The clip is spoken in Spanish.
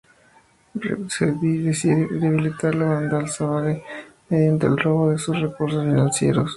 Rip decide debilitar a Vandal Savage mediante el robo de sus recursos financieros.